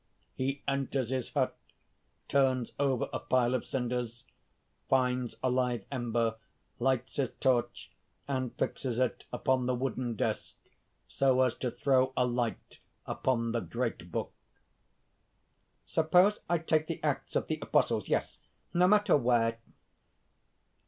(_He enters his hut, turns over a pile of cinders, finds a live ember, lights his torch and fixes it upon the wooden desk, so as to throw a light upon the great book._) "Suppose I take the Acts of the Apostles? yes! no matter where!"